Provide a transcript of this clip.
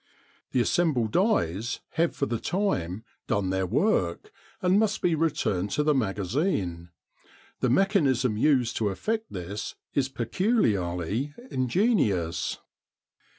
The assembled dies have for the time done their work and must be returned to the magazine. The mechanism used to effect this is peculiarly ingenious.